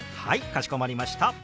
かしこまりました。